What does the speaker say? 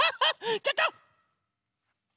ちょっと！